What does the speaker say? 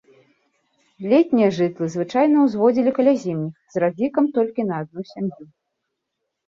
Летнія жытлы звычайна ўзводзілі каля зімніх з разлікам толькі на адну сям'ю.